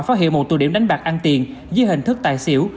phát hiện một tụ điểm đánh bạc ăn tiền dưới hình thức tài xỉu